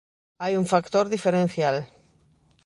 Hai un factor diferencial.